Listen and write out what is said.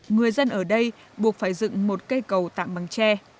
người dân ở đây buộc phải dựng một cây cầu tạm bằng tre